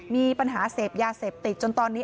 มีปัญหาเสพยาเสพติดจนตอนนี้